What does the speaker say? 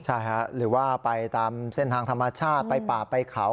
ใช่ค่ะหรือว่าไปตามเส้นทางธรรมชาติไปป่าไปเขา